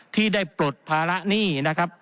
ที่ได้ปลดภาระหนี้นะครับ